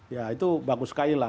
ya itu bagus sekali lah